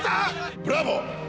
ブラボー！